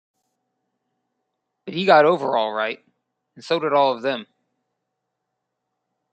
But he got over all right; and so did all of them.